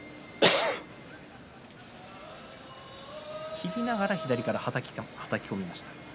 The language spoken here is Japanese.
切りながら右からはたき込みました。